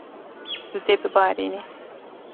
Tu dê bibarînî.